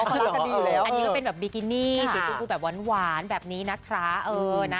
อันนี้ก็เป็นแบบบิกินี่สีชมพูแบบหวานแบบนี้นะคะ